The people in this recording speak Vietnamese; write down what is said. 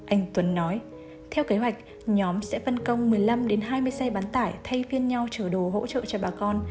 anh tuấn nói theo kế hoạch nhóm sẽ phân công một mươi năm hai mươi xe bán tải thay phiên nhau chở đồ hỗ trợ cho bà con